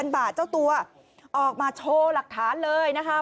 บาทเจ้าตัวออกมาโชว์หลักฐานเลยนะคะ